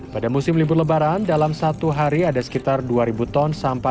pada musim libur lebaran dalam satu hari ada sekitar dua ton sampah